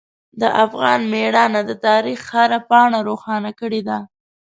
د افغان میړانه د تاریخ هره پاڼه روښانه کړې ده.